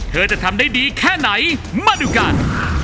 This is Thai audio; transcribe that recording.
เธอจะทำได้ดีแค่ไหนมาดูกัน